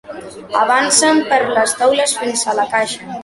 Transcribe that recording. Avancen per les taules fins a la caixa.